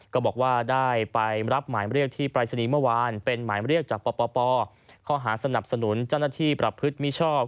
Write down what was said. ก็บอกว่าได้ไปรับหมายเรียกที่ปรายศนีย์เมื่อวานเป็นหมายเรียกจากปปข้อหาสนับสนุนเจ้าหน้าที่ประพฤติมิชอบ